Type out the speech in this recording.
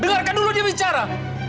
dengarkan dulu dia bicara